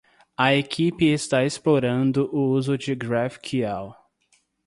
A equipe está explorando o uso de GraphQL.